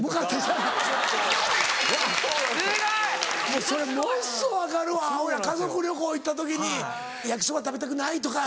もうそれものすごい分かるわ俺は家族旅行行った時に「焼きそば食べたくない？」とか。